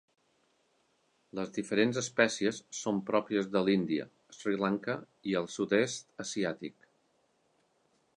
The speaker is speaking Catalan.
Les diferents espècies són pròpies de l'Índia, Sri Lanka i el sud-est asiàtic.